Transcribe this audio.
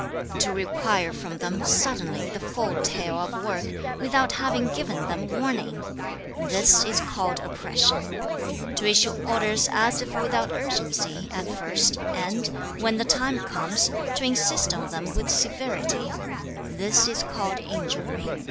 To require from them, suddenly, the full tale of work, without having given them warning; this is called oppression. To issue orders as if without urgency, at first, and, when the time comes, to insist on them with severity; this is called injury.